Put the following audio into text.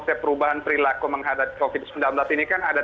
semoga nggak mengecewakan pak given nanti ya